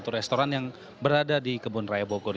atau restoran yang berada di kebun raya bogor